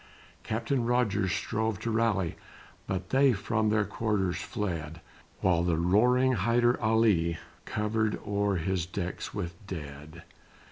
Captain Rogers strove to rally But they from their quarters fled, While the roaring Hyder Ali Covered o'er his decks with dead.